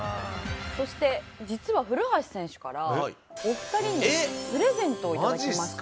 そして実は古橋選手からお二人にプレゼントを頂きまして。